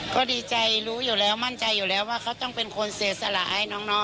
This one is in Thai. ก็ดีใจรู้อยู่แล้วมั่นใจอยู่แล้วว่าเขาต้องเป็นคนเสียสละให้น้อง